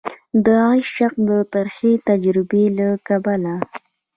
د عشق د ترخې تجربي له کبله